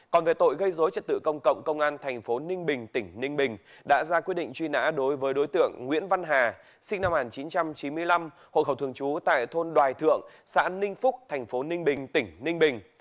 còn về tội gây dối trật tự công cộng công an thành phố ninh bình tỉnh ninh bình đã ra quyết định truy nã đối với đối tượng nguyễn văn hà sinh năm một nghìn chín trăm chín mươi năm hộ khẩu thường trú tại thôn đoài thượng xã ninh phúc thành phố ninh bình tỉnh ninh bình